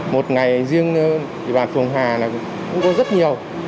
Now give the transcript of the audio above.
một ngày riêng địa bàn phường hà là cũng có rất nhiều